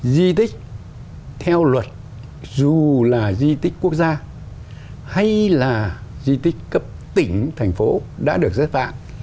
di tích theo luật dù là di tích quốc gia hay là di tích cấp tỉnh thành phố đã được giết phạm